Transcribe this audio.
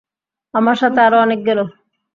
আমার সাথে আরো অনেকে গেল।